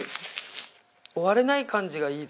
追われない感じがいいですよね。